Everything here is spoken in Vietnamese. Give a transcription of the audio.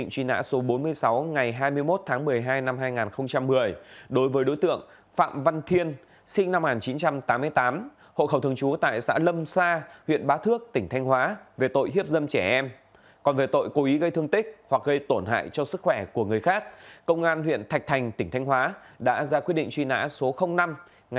công an huyện thạch thành tỉnh thanh hóa đã ra quyết định truy nã số năm ngày hai mươi tháng sáu năm hai nghìn một mươi sáu